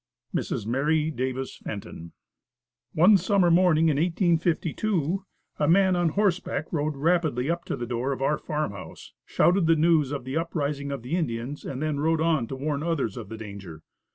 Mrs. Mary Davis Fenton. One summer morning in 1852, a man on horseback rode rapidly up to the door of our farm house, shouted the news of the uprising of the Indians, and then rode on to warn others of the danger.